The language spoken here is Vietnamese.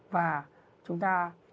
và chúng ta